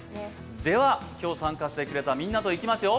では、今日参加してくれたみんなといきますよ。